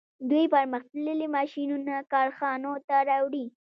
دوی پرمختللي ماشینونه کارخانو ته راوړي